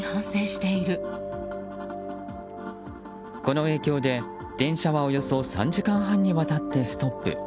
この影響で電車はおよそ３時間半にわたってストップ。